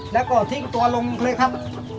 แล้วก็ทิ้งตัวลงเลยครับ